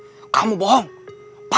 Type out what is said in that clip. shooting gagal tadi lah mas